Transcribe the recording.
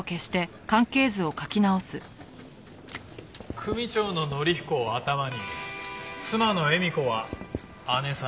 組長の憲彦を頭に妻の恵美子は姐さん。